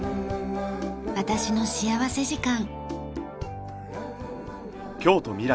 『私の幸福時間』。